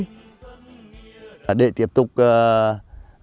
để tiếp tục giao thông hệ thống chính trị vào cuộc